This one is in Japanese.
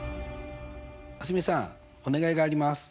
蒼澄さんお願いがあります。